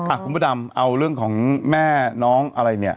อ่ะคุณพุทธันตร์เอาเรื่องของแม่น้องอะไรเนี้ย